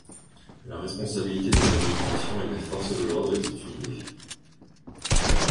La responsabilité de l'administration et des forces de l'ordre est étudiée.